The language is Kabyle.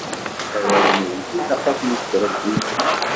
Arraw-nwen, ilaq ad ten-trebbim.